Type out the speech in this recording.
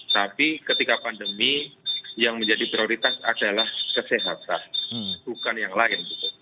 tapi ketika pandemi yang menjadi prioritas adalah kesehatan bukan yang lain